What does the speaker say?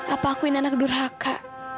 apa aku ini anak durhaka